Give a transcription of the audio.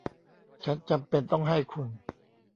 ฉันจำเป็นต้องให้คุณ